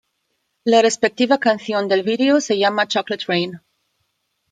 La respectiva canción del vídeo se llama "Chocolate Rain".